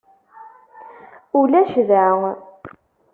Ulac da.